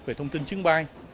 về thông tin chứng bay